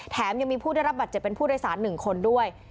แถมยังมีผู้ได้รับบาดเจ็บเป็นผู้โดยสาร๑คนด้วย